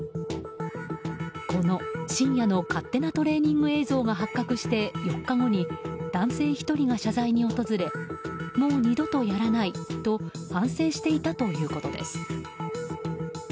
この深夜の勝手なトレーニング映像が発覚して４日後に、男性１人が謝罪に訪れもう二度とやらないと反省していたということです。